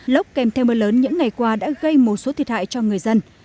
lốc kèm theo mưa lớn những ngày qua đã gây một số thiệt hại cho người dân